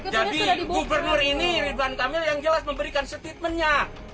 jadi gubernur ini ridwan kamil yang jelas memberikan statementnya